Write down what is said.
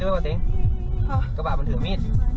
กลับไปขวาไป